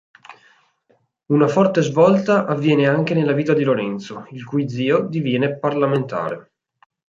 Una forte svolta avviene anche nella vita di Lorenzo, il cui zio diviene parlamentare.